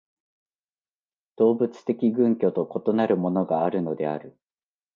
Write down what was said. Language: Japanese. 動物的群居と異なるものがあるのである。